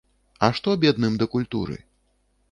А што бедным да культуры?